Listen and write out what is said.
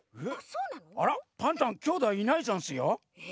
あらっパンタンきょうだいいないざんすよ。